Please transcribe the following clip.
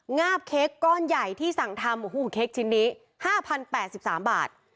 งาบเค้กก้อนใหญ่ที่สั่งทำโอ้โหเค้กชิ้นนี้ห้าพันแปดสิบสามบาท